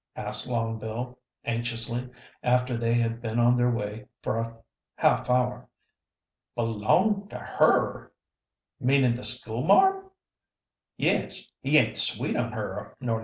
asked Long Bill, anxiously, after they had been on their way for a half hour. "B'long to her? Meanin' the schoolmarm?" "Yes; he ain't sweet on her nor nothin'?"